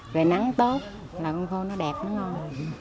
về nắng tốt là con khô nó đẹp nó ngon